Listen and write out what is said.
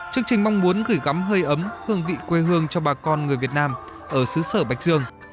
chương trình mong muốn gửi gắm hơi ấm hương vị quê hương cho bà con người việt nam ở xứ sở bạch dương